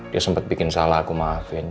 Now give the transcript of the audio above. dia sempat bikin salah aku maafin